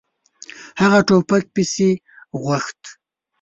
هغه ټوپک پسې غوښت.